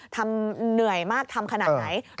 เหนื่อยมากทำขนาดไหน